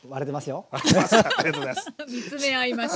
ありがとうございます！